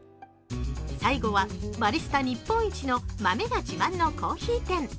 最後はバリスタ日本一の豆が自慢のコーヒー店。